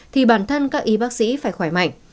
thì bản thân các y bác sĩ phải khỏe mạnh